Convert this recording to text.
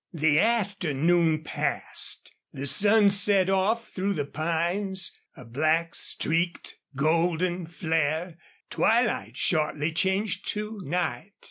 The afternoon passed; the sun set off through the pines, a black streaked, golden flare; twilight shortly changed to night.